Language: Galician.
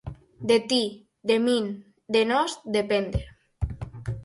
De ti, de min, de nós depende.